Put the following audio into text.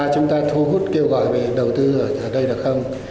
chúng ta thu hút kêu gọi về đầu tư ở đây được không